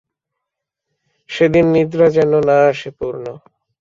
সেদিন নিদ্রা যেন না আসে– পূর্ণ।